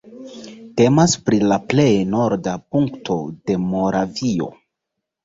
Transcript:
Temas pri la plej norda punkto de Moravio.